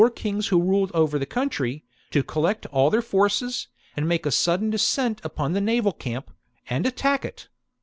kings who ruled over the country, to collect all their forces, make a sudden descent upon the naval camp, and attack it.